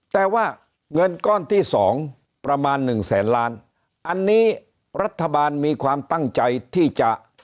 แต่ว่าเงินก้อนที่สองประมาณหนึ่งแสนล้านอันนี้รัฐบาลมีความตั้งใจที่จะ